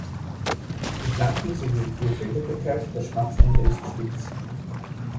Die Flanken sind in vier Felder geteilt, das Schwanzende ist spitz.